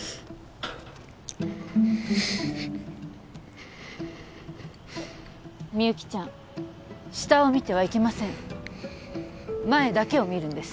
フーッみゆきちゃん下を見てはいけません前だけを見るんです